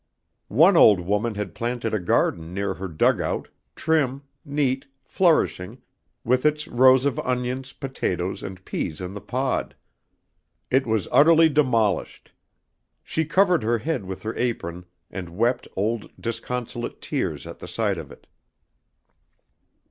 One old woman had planted a garden near her dugout, trim, neat, flourishing, with its rows of onions, potatoes and peas in the pod. It was utterly demolished. She covered her head with her apron and wept old disconsolate tears at the sight of it.